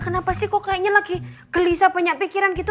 kenapa sih kok kayaknya lagi gelisah banyak pikiran gitu